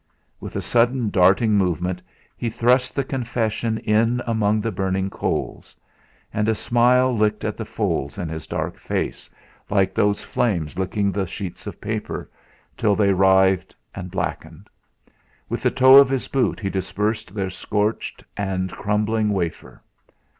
With a sudden darting movement he thrust the confession in among the burning coals. And a smile licked at the folds in his dark face, like those flames licking the sheets of paper, till they writhed and blackened. With the toe of his boot he dispersed their scorched and crumbling wafer.